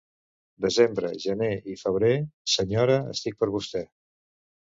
Desembre, gener i febrer, senyora, estic per vostè.